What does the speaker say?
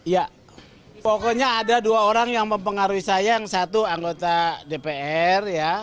ya pokoknya ada dua orang yang mempengaruhi saya yang satu anggota dpr